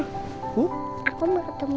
aku mau ketemu papa sama mama